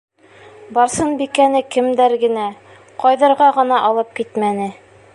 Барсынбикәне кемдәр генә, ҡайҙарға ғына алып китмәне.